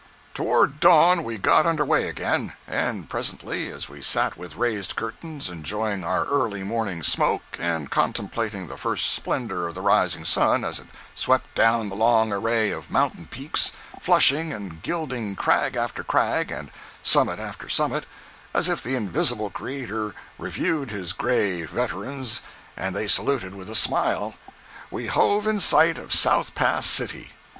Toward dawn we got under way again, and presently as we sat with raised curtains enjoying our early morning smoke and contemplating the first splendor of the rising sun as it swept down the long array of mountain peaks, flushing and gilding crag after crag and summit after summit, as if the invisible Creator reviewed his gray veterans and they saluted with a smile, we hove in sight of South Pass City.